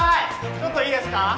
ちょっといいですか？